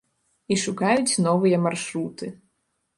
І шукаюць новыя маршруты.